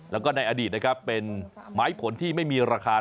แล้วก็ในอดีตนะครับเป็นไม้ผลที่ไม่มีราคา